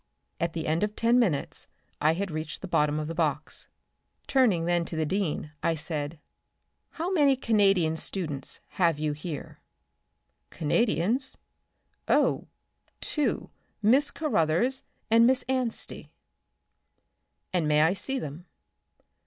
At the end of 10 minutes I had reached the bottom of the box. Turning then to the dean, I said: "How many Canadian students have you here?" "Canadians? Oh, two Miss Carothers and Miss Anstey." "And may I see them?"